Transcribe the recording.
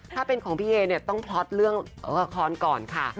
ถ้าเป็นของพี่เอเนี่ยต้องพล็อตเรื่องละครก่อนค่ะ